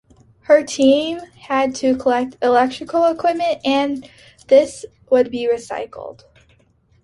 Her team had to collect electrical equipment, and this would be recycled.